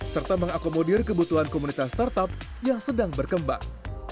serta mengakomodir kebutuhan komunitas startup yang sedang berkembang